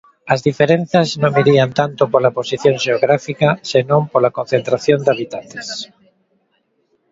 As diferenzas non virían tanto pola posición xeográfica senón pola concentración de habitantes.